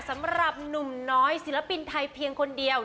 สำหรับหนุ่มน้อยศิลปินไทยเพียงคนเดียว